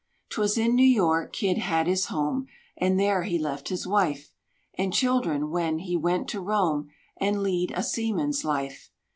'Twas in New York Kidd had his home; And there he left his wife And children, when he went to roam, And lead a seaman's life.